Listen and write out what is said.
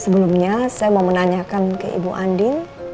sebelumnya saya mau menanyakan ke ibu andin